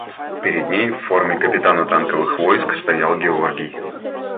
Перед ней в форме капитана танковых войск стоял Георгий.